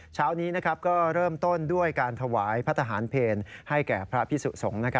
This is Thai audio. เช้านี้ก็เริ่มต้นด้วยการถวายพระทหารเพลให้แก่พระพิสุสงฆ์